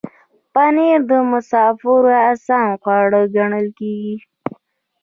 پنېر د مسافرو آسان خواړه ګڼل کېږي.